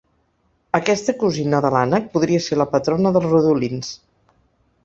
Aquesta cosina de l'ànec podria ser la patrona dels rodolins.